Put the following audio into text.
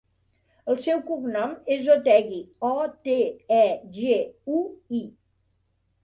El seu cognom és Otegui: o, te, e, ge, u, i.